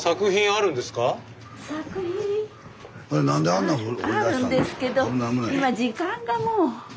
あるんですけど今時間がもう。